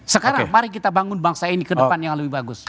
sekarang mari kita bangun bangsa ini ke depan yang lebih bagus